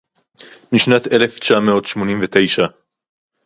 משנת אלף תשע מאות שמונים ותשע